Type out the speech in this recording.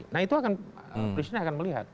nah itu akan presiden akan melihat